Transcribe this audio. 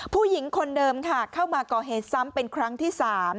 ผู้หญิงคนเดิมค่ะเข้ามาก่อเหตุซ้ำเป็นครั้งที่๓